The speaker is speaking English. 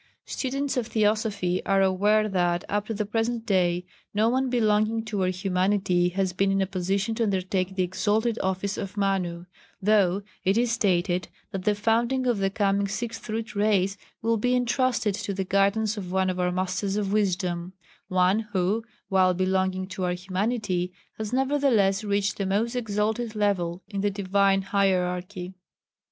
Students of Theosophy are aware that, up to the present day, no one belonging to our humanity has been in a position to undertake the exalted office of Manu, though it is stated that the founding of the coming Sixth Root Race will be entrusted to the guidance of one of our Masters of Wisdom one who, while belonging to our humanity, has nevertheless reached a most exalted level in the Divine Hierarchy.